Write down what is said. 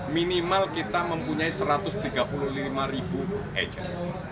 minimal kita mempunyai satu ratus tiga puluh lima agen